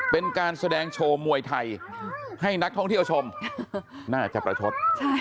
เป็นการแสดงโชว์มวยไทยให้นักท่องเที่ยวชมน่าจะประชด